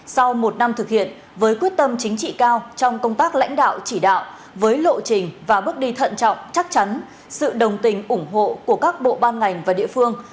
sau một năm thực hiện với quyết tâm chính trị cao trong công tác lãnh đạo chỉ đạo với lộ trình và bước đi thận trọng chắc chắn sự đồng tình ủng hộ của các bộ ban ngành và địa phương